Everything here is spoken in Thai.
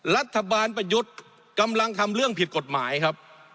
รัฐบาลประยุทธ์กำลังทำเรื่องผิดกฎหมายครับ